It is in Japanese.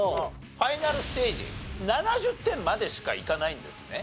ファイナルステージ７０点までしかいかないんですね。